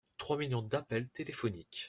Trois millions d’appels téléphoniques.